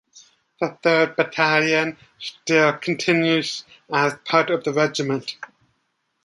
The third battalion still continues as part of the regiment.